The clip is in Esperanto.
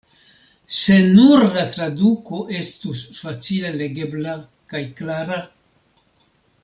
Se nur la traduko estus facile legebla kaj klara.